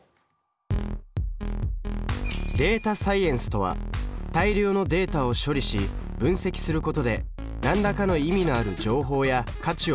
データサイエンスとは大量のデータを処理し分析することで何らかの意味のある情報や価値を導き出すことです。